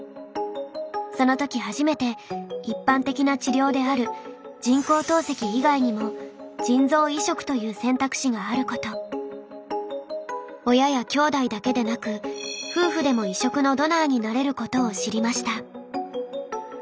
その時初めて一般的な治療であるという選択肢があること親やきょうだいだけでなく夫婦でも移植のドナーになれることを知りました。